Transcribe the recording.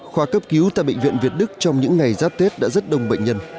khoa cấp cứu tại bệnh viện việt đức trong những ngày giáp tết đã rất đông bệnh nhân